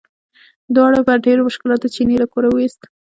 دواړو په ډېرو مشکلاتو چیني له کوره وویست.